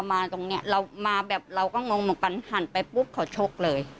มาตรงนี้เราก็งงเหมือนกันหันไปปุ๊บเขาชกเลย